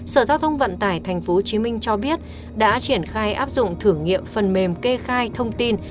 sở giao thông vận tải tp hcm cho biết đã triển khai áp dụng thử nghiệm phần mềm kê khai thông tin